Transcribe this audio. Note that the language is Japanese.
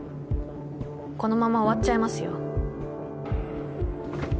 このまま終わっちゃいますよ